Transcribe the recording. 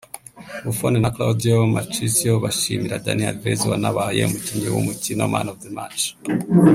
Buffon na Claudio Marchisio bashimira Dani Alves wanabaye umukinnyi w'umukino 'Man of The Match'